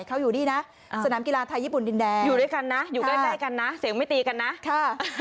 เขาอยู่นี่นะสนามกีฬาไทยญี่ปุ่นดินแดงอยู่ด้วยกันนะอยู่ใกล้กันนะเสียงไม่ตีกันนะค่ะ